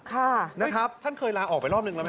ท่านเคยลาออกไปรอบหนึ่งแล้วไหม